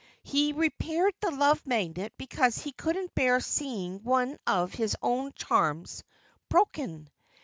He repaired the Love Magnet because he couldn't bear seeing one of his own charms broken.